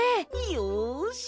よし！